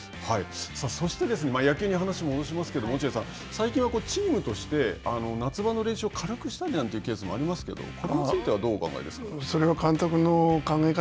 そして、野球に話を戻しますけれども、落合さん、最近はチームとして夏場の練習を軽くしたりなんてケースもありますけれども、これにそれは監督の考え方